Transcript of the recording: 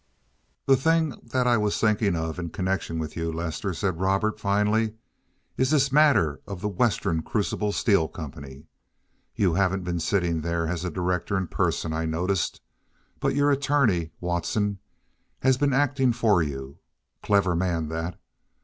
"The thing that I was thinking of in connection with you, Lester," said Robert finally, "is this matter of the Western Crucible Steel Company. You haven't been sitting there as a director in person I notice, but your attorney, Watson, has been acting for you. Clever man, that.